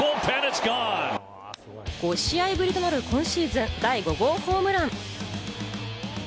５試合ぶりとなる今シーズン第５号ホームラン。